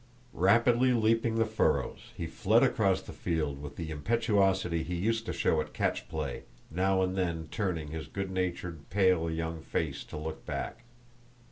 Rapidly leaping the furrows, he fled across the field with the impetuosity he used to show at catchplay, now and then turning his good natured, pale, young face to look back.